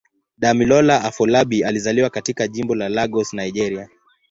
Damilola Afolabi alizaliwa katika Jimbo la Lagos, Nigeria.